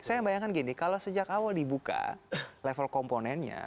saya bayangkan gini kalau sejak awal dibuka level komponennya